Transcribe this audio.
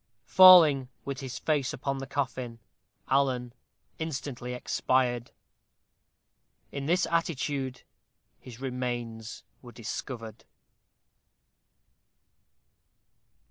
Falling with his face upon the coffin, Alan instantly expired. In this attitude his remains were discovered.